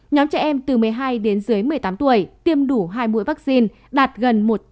nhóm trẻ em từ một mươi hai đến dưới một mươi tám tuổi tiêm đủ hai mũi vaccine đạt gần một trăm linh